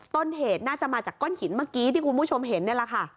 ต้นเหตุน่าจะมาจากก้อนหินเมื่อกี้ที่คุณผู้ชมเห็นนี่แหละค่ะ